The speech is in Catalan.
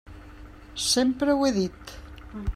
Sempre ho he dit.